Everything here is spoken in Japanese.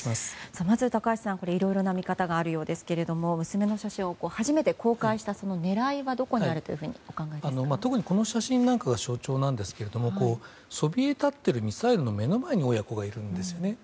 まず、高橋さんいろいろな見方があるようですが娘の写真を初めて公開した狙いはどこにあると特にこの写真何かが象徴なんですがそびえ立っているミサイルの目の前に親子がいるんですよね。